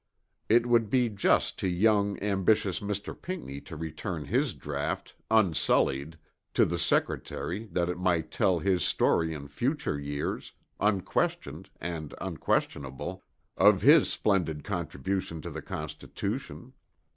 It would be just to young, ambitious Mr. Pinckney to return his draught, unsullied, to the Secretary that it might tell the story in future years, unquestioned and unquestionable, of his splendid contribution to the Constitution.